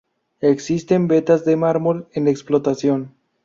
Existen vetas de mármol en explotación.